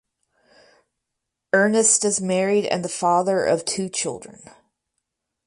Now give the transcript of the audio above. Ernst is married and the father of two children.